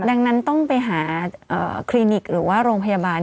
ดังนั้นต้องไปหาคลินิกหรือว่าโรงพยาบาล